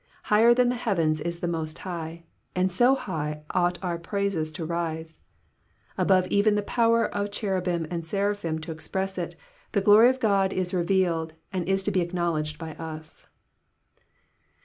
Higher than the heavens is the Most High, and so high ought our praises to rise. Above even the power of cheru bim and seraphim to express it, the glory of God is revealed and is to be acknowledged by us.